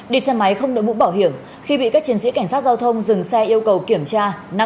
đi xe máy không đội mũ bảo hiểm khi bị các chiến sĩ cảnh sát giao thông dừng xe yêu cầu kiểm tra